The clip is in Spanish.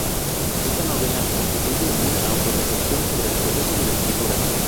Esta novela constituye una auto-reflexión sobre el proceso de la escritura.